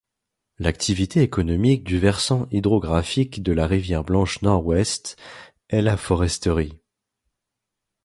L’activité économique du versant hydrographique de la rivière Blanche Nord-Ouest est la foresterie.